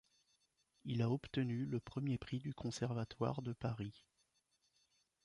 Il a obtenu le premier Prix du Conservatoire de Paris.